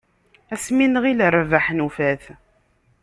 Ass mi nɣil rrbeḥ nufa-t.